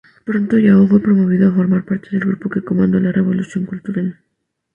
Pronto Yao fue promovido a formar parte del grupo que comandó la Revolución Cultural.